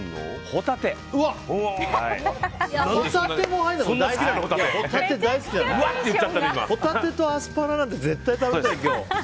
ホタテとアスパラなんて絶対食べたい、今日。